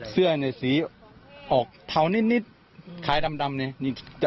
เสื้อเนี้ยสีออกเถานิดขาดำเนี้ย